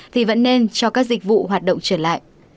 thì vẫn nên cho các dịch vụ hoạt động trở lại